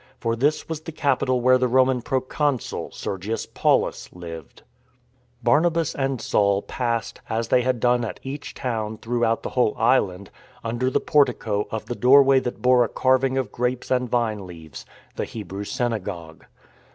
For this was the capital where the Roman proconsul, Sergius Paulus, lived, Barnabas and Saul passed, as they had done at each town throughout the whole island, under the portico of the doorway that bore a carving of grapes and vine leaves — the Hebrew synagogue.